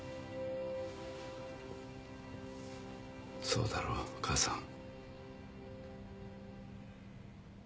そうだろ？母さん。